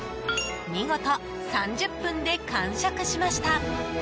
見事、３０分で完食しました。